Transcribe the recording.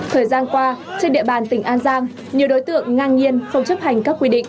thời gian qua trên địa bàn tỉnh an giang nhiều đối tượng ngang nhiên không chấp hành các quy định